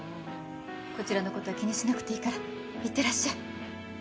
こちらのことは気にしなくていいから行ってらっしゃい。